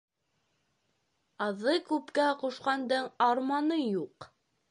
Аҙҙы күпкә ҡушҡандың арманы юҡ.